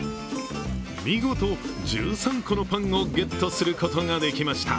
見事１３個のパンをゲットすることができました。